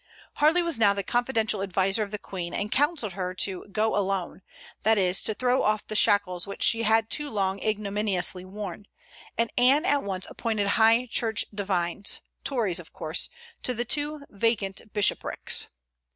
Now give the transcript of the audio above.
Harley was now the confidential adviser of the Queen, and counselled her "to go alone," that is, to throw off the shackles which she had too long ignominiously worn; and Anne at once appointed high church divines Tories of course to the two vacant bishoprics.